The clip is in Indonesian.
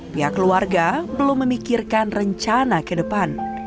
pihak keluarga belum memikirkan rencana ke depan